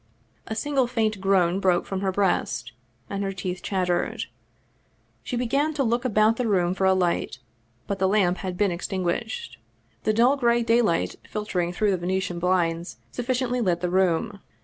A single faint groan broke from her breast, and her teeth chattered. She began to look about the room for a light, but the lamp had been extinguished; the dull gray daylight filtering through the Venetian blinds sufficiently lit the room.